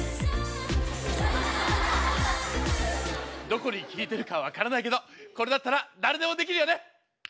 どこに効いてるかは分からないけどこれだったら誰でもできるよね！